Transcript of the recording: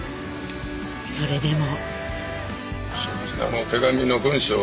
それでも。